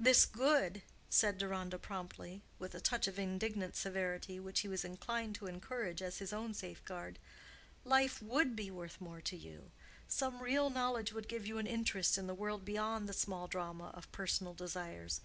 "This good," said Deronda promptly, with a touch of indignant severity, which he was inclined to encourage as his own safeguard; "life would be worth more to you: some real knowledge would give you an interest in the world beyond the small drama of personal desires.